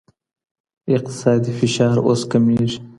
اقتصادي فشار اوس کمېږي.